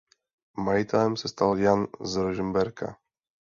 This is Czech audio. Majitelem se stal Jan z Rožmberka.